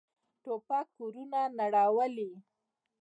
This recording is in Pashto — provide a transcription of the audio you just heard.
توپک کورونه نړولي.